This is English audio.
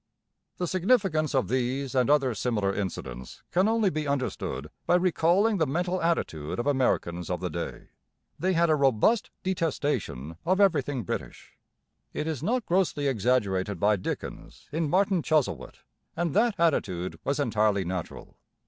The significance of these and other similar incidents can only be understood by recalling the mental attitude of Americans of the day. They had a robust detestation of everything British. It is not grossly exaggerated by Dickens in Martin Chuzzlewit. And that attitude was entirely natural.